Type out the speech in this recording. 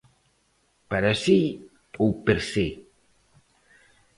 Para si ou per se?